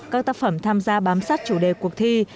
các tác phẩm tham gia bám sát chủ đề cuộc thi